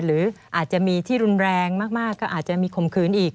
หรืออาจจะมีที่รุนแรงมากก็อาจจะมีข่มขืนอีก